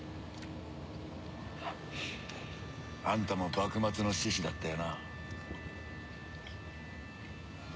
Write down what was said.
あんたも幕末の志士だったよな。